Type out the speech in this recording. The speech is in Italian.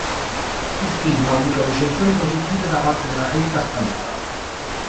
Il film ha avuto recensioni positive da parte della critica spagnola.